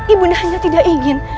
ibu nda hanya tidak ingin